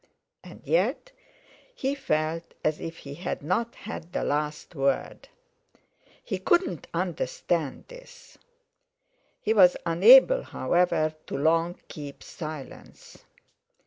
And yet he felt as if he had not had the last word. He could not understand this. He was unable, however, to long keep silence.